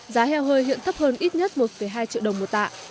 giá heo hơi hiện thấp hơn ít nhất một hai triệu đồng một tạ